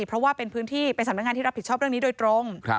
เพราะว่าเป็นพื้นที่เป็นสำนักงานที่รับผิดชอบเรื่องนี้โดยตรง